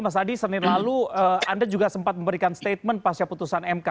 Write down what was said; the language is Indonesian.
mas adi senin lalu anda juga sempat memberikan statement pasca putusan mk